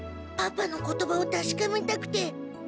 パパの言葉をたしかめたくて。